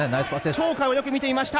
鳥海をよく見ていました！